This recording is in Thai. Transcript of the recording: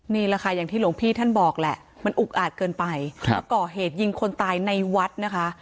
นี่แหละค่ะอย่างที่หลวงพี่ท่านบอกแหละมันอุกอาจเกินไปก่อเหตุยิงคนตายในวัดนะคะ